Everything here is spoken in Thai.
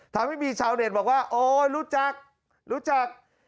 ทำให้มีชาวเน็ตบอกว่าโอ๊ยรู้จักรู้จัก